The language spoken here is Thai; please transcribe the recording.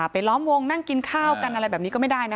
ล้อมวงนั่งกินข้าวกันอะไรแบบนี้ก็ไม่ได้นะ